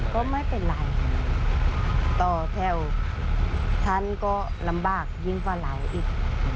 ก็ไม่เป็นไรต่อแถวท่านก็ลำบากยิ่งกว่าเราอีก